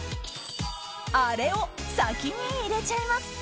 あれを先に入れちゃいます。